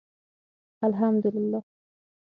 الحمدالله